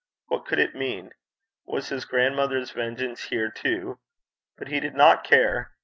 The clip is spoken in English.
What could it mean? Was his grandmother's vengeance here too? But he did not care.